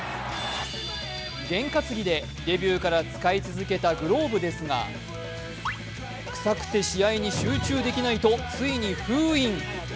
験担ぎでデビューから使い続けたグローブですが、臭くて試合に集中できないとついに封印。